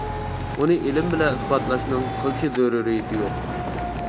ئۇنى ئىلىم بىلەن ئىسپاتلاشنىڭ قىلچە زۆرۈرىيىتى يوق.